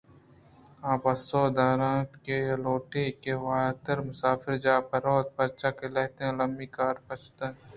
آئی ءَپسو ءَ درّائینت کہ آ لوٹیت کہ واترمسافر جاہ ءَ بہ روت پرچا کہ لہتیں المّی ایں کار پشت کپتگ اِت اَنت